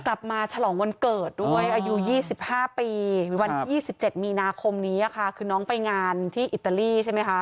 ฉลองวันเกิดด้วยอายุ๒๕ปีวันที่๒๗มีนาคมนี้ค่ะคือน้องไปงานที่อิตาลีใช่ไหมคะ